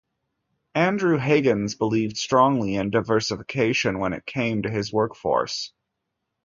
Andrew Higgins believed strongly in diversification when it came to his workforce.